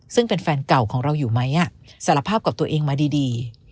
ซึ่งเป็นแฟนเก่าของเราอยู่ไหมสารภาพกับตัวเองมาดี